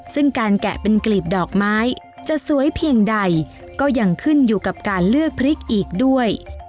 ซึ่งการแกะเป็นกลีบดอกไม้จะสวยเพียงใดก็ยังขึ้นอยู่กับการเลือกพริกอีกด้วย